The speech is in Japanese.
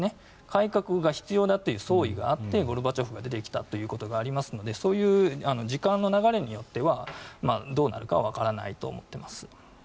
改革が必要だという総意があってゴルバチョフが出てきたということがありますのでそういう時間の流れによってはどうなるかはわからないと思っています。